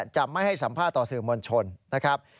จะไม่ให้สัมภาษณ์ต่อสื่อมวลชนนะครับ